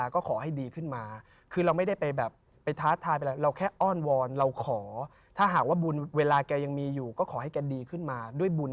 ก็ขอให้ดีขึ้นมา